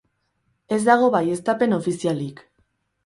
Ez dago baieztapen ofizialik.